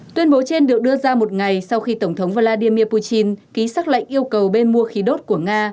tuyên bố trên được đưa ra một ngày sau khi tổng thống vladimir putin ký xác lệnh yêu cầu bên mua khí đốt của nga